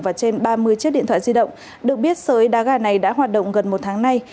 và trên ba mươi chiếc điện thoại di động được biết sới đá gà này đã hoạt động gần một tháng nay